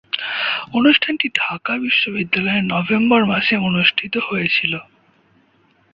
অনুষ্ঠানটি ঢাকা বিশ্ববিদ্যালয়ে নভেম্বর মাসে অনুষ্ঠিত হয়েছিলো।